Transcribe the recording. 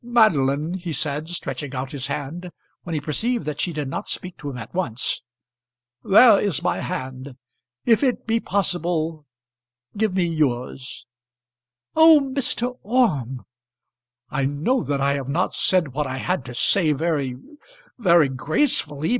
"Madeline," he said, stretching out his hand when he perceived that she did not speak to him at once. "There is my hand. If it be possible give me yours." "Oh, Mr. Orme!" "I know that I have not said what I had to say very very gracefully.